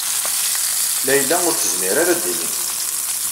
Layla ur tezmir ara ad d-tini.